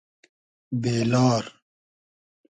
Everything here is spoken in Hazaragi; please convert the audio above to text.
بې لار